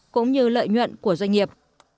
cũng như lợi nhuận của doanh nghiệp